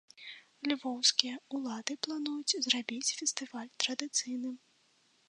Львоўскія ўлады плануюць зрабіць фестываль традыцыйным.